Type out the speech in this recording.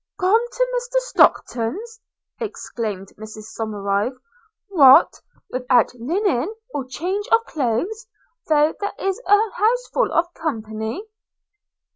'Gone to Mr Stockton's!' exclaimed Mrs Somerive – 'What! without linen or change of clothes, though there is an house full of company?'